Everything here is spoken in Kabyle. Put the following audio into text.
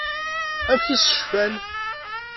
Amek i s-cfan?